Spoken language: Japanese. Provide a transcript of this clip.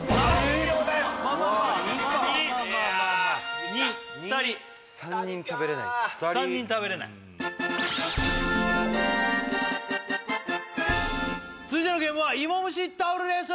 うわ２か２いや２か２２人３人食べれない続いてのゲームはいもむしタオルレース！